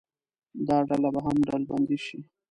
دا ډله به هم ډلبندي شي.